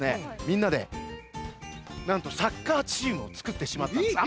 みんなでなんとサッカーチームをつくってしまったんです。